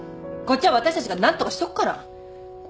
こっちは私たちが何とかしとくから。